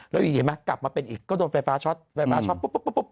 แล้วกัดมาเป็นอีกก็โดนไฟฟ้าช็อตกับปุ๊บ